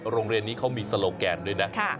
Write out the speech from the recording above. โรงเรียนนี้เขามีโซโลแกนด้วยนะ